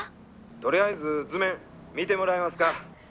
☎とりあえず図面見てもらえますか？